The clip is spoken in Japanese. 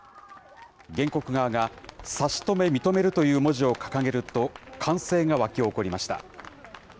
原告側が差し止め認めるという文字を掲げると、歓声が沸き起こりました。